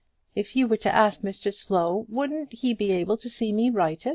If you were to ask Mr Slow, wouldn't he be able to see me righted?"